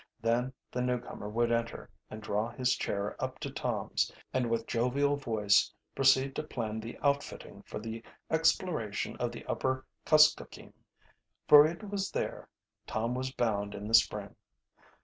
Then the newcomer would enter and draw his chair up to Tom's, and with jovial voice proceed to plan the outfitting for the exploration of the upper Kuskokeem; for it was there Tom was bound in the spring.